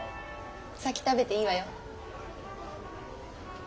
先食べていいわよ。